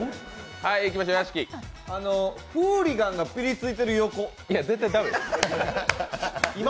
フーリガンがピリついてる横。